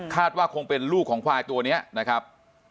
ว่าคงเป็นลูกของควายตัวนี้นะครับ